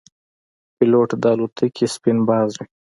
پیلوټ د الوتکې سپین باز وي.